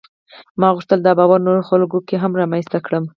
ما غوښتل دا باور نورو خلکو کې هم رامنځته کړم.